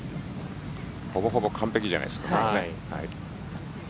ほぼほぼ完璧じゃないですか。